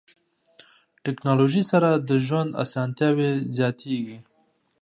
ټکنالوژي سره د ژوند اسانتیاوې زیاتیږي.